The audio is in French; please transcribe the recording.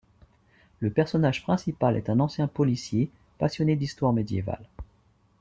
Le personnage principal est un ancien policier, passionné d'histoire médiévale.